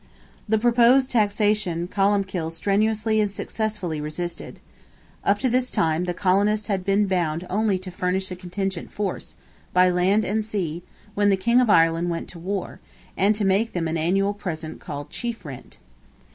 The proposed taxation Columbkill strenuously and successfully resisted. Up to this time, the colonists had been bound only to furnish a contingent force, by land and sea, when the King of Ireland went to war, and to make them an annual present called "chief rent."